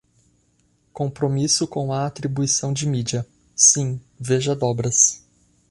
Compromisso com a atribuição de mídia: sim, veja dobras.